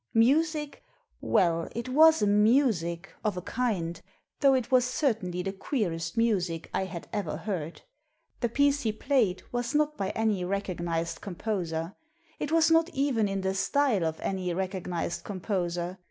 Music ? Well, it was a music — of a kind, though it was certainly the queerest music I had ever heard. The piece he played was not by any recognised composer; it was not even in the style of any recognised composer.